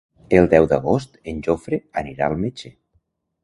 El deu d'agost en Jofre anirà al metge.